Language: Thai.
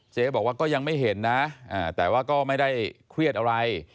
เจ๊บอกว่าก็ยังไม่เห็นนะแต่ว่าก็ไม่ได้เครียดอะไร